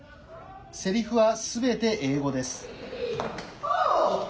セリフは、すべて英語です。